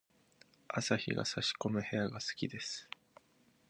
朝日が差し込む部屋が好きです。